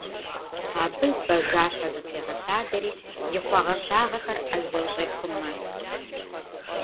Абы бажафэ зытрегъэлъадэри и хъуагъэщагъэхэр ӏэзэу щӏехъумэ.